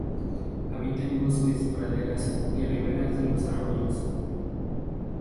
Habita en bosques, praderas y riberas de los arroyos.